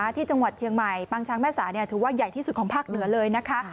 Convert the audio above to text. ที่จังหวัดเชียงใหม่ปางช้างแม่สาถือว่าใหญ่ที่สุดของภาคเหนือเลยนะคะ